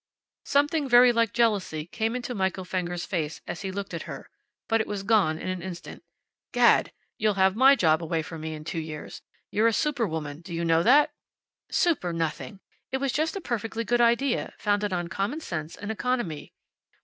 Something very like jealousy came into Michael Fenger's face as he looked at her. But it was gone in an instant. "Gad! You'll have my job away from me in two years. You're a super woman, do you know that?" "Super nothing! It's just a perfectly good idea, founded on common sense and economy."